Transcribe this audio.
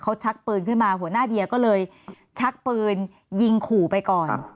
เขาชักปืนขึ้นมาหัวหน้าเดียก็เลยชักปืนยิงขู่ไปก่อน